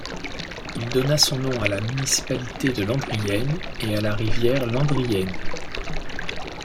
Il donna son nom à la municipalité de Landrienne et à la rivière Landrienne.